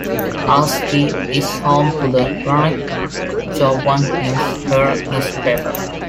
Ahoskie is home to the "Roanoke-Chowan News-Herald" newspaper.